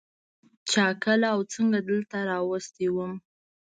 چا کله او څنگه دلته راوستى وم.